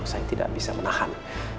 saya tidak bisa menahan